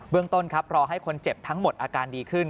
ต้นครับรอให้คนเจ็บทั้งหมดอาการดีขึ้น